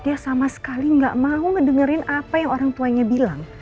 dia sama sekali gak mau ngedengerin apa yang orang tuanya bilang